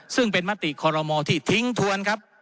ซึ่งเป็นมติคอรมอที่ทิ้งทวนครับ